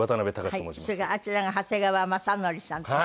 それからあちらが長谷川雅紀さんと。